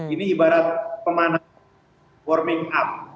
ini ibarat pemanasan warming up